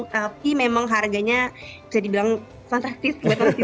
tapi memang harganya bisa dibilang fantastis